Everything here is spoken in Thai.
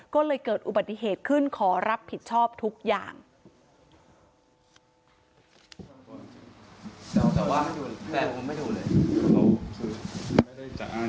ก็เลยเกิดอุบัติเหตุขึ้นขอรับผิดชอบทุกอย่าง